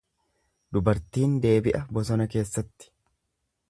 Dubartiin deebi'a bosona keessatti.